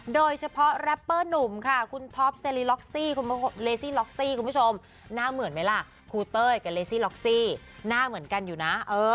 โดยเฉพาะแรปเปอร์หนุ่มค่า